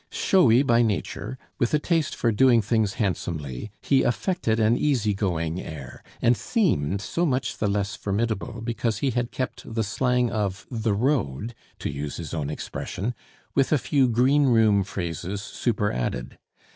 Showy by nature, with a taste for doing things handsomely, he affected an easy going air, and seemed so much the less formidable because he had kept the slang of "the road" (to use his own expression), with a few green room phrases superadded.